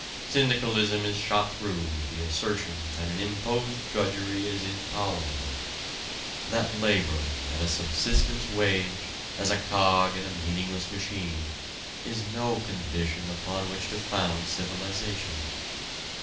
Syndicalism is shot through with the assertion that an imposed drudgery is intolerable that labor at a subsistence wage as a cog in a meaningless machine is no condition upon which to found civilization.